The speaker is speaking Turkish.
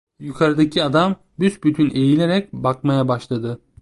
Yukarıdaki adam büsbütün eğilerek bakmaya başladı.